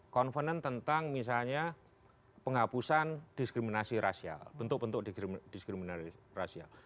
convenant tentang misalnya penghapusan diskriminasi rasial bentuk bentuk diskriminalisasi rasial